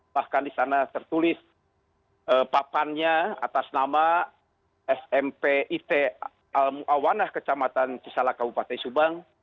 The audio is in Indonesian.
bahkan di sana tertulis papannya atas nama smp it al ⁇ muawanah kecamatan cisala kabupaten subang